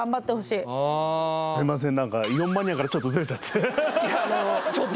すいません